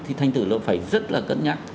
thì thanh tử nó phải rất là cân nhắc